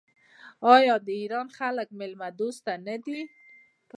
آیا د ایران خلک میلمه دوست نه دي؟